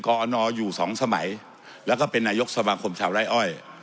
อนอยู่สองสมัยแล้วก็เป็นนายกสมาคมชาวไร้อ้อย